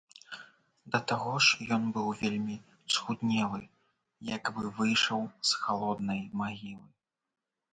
Да таго ж ён быў вельмі схуднелы, як бы выйшаў з галоднай магілы.